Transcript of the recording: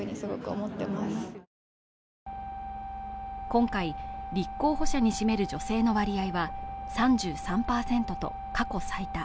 今回立候補者に占める女性の割合は３３％と過去最多